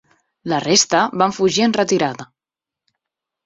La resta van fugir en retirada.